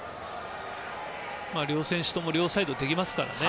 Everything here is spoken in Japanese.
両選手とも両サイドできますからね。